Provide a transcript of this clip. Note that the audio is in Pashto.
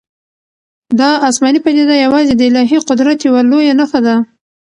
دا آسماني پدیده یوازې د الهي قدرت یوه لویه نښه ده.